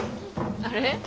あれ？